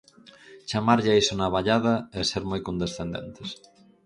Chamarlle a iso navallada é ser moi condescendentes.